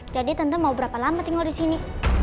jadi tante mau berapa lama tinggal disini